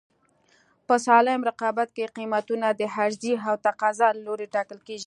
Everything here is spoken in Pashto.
په سالم رقابت کې قیمتونه د عرضې او تقاضا له لورې ټاکل کېږي.